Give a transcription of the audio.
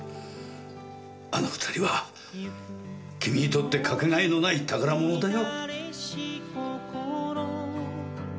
あの２人は君にとってかけがえのない宝物だよ。